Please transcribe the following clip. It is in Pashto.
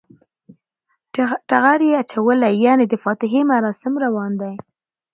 ټغر یی اچولی یعنی د فاتحی مراسم روان دی